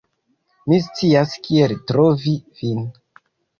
Mi scias kiel trovi vin.